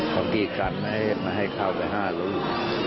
เขากรีกกันให้เข้าไปห้าลูก